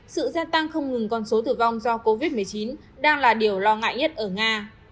sự gia tăng không ngừng con số tử vong do covid một mươi chín đang là điều lo ngại nhất ở nga